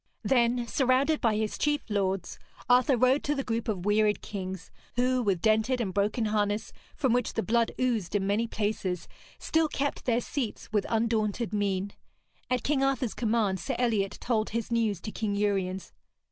Then, surrounded by his chief lords, Arthur rode to the group of wearied kings, who, with dented and broken harness, from which the blood oozed in many places, still kept their seats with undaunted mien. At King Arthur's command Sir Eliot told his news to King Uriens.